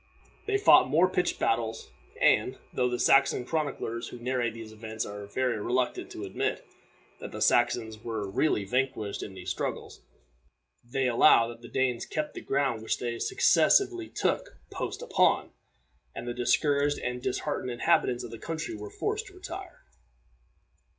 They fought more pitched battles; and, though the Saxon chroniclers who narrate these events are very reluctant to admit that the Saxons were really vanquished in these struggles, they allow that the Danes kept the ground which they successively took post upon, and the discouraged and disheartened inhabitants of the country were forced to retire.